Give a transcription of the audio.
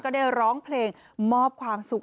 ได้ร้องเพลงมอบความสุข